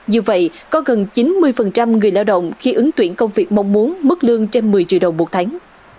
như vậy có gần chín mươi người lao động khi ứng tuyển công việc mong muốn mức lương trên một mươi triệu đồng một tháng